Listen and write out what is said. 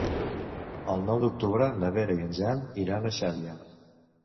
El nou d'octubre na Vera i en Jan iran a Xàbia.